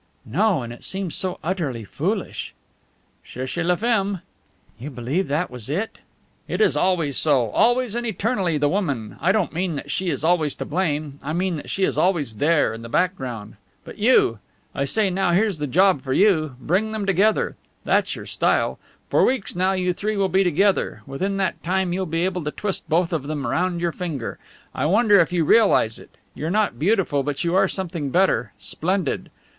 "No. And it seems so utterly foolish!" "Cherchez la femme!" "You believe that was it?" "It is always so, always and eternally the woman. I don't mean that she is always to blame; I mean that she is always there in the background. But you! I say, now, here's the job for you! Bring them together. That's your style. For weeks now you three will be together. Within that time you'll be able to twist both of them round your finger. I wonder if you realize it? You're not beautiful, but you are something better splendid.